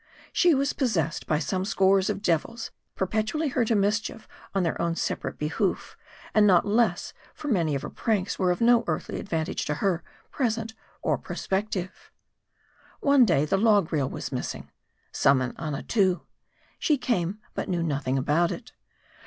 She was possessed by some scores of devils, perpetually inciting her to mischief on their own separate behoof, and not hers ; for many of her pranks were of no earthly advant age to her, present or prospective. One day the log reel was missing. Summon Annatoo. She came ; but knew nothing about it.